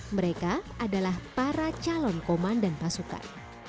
mereka adalah para calon komandan pasukan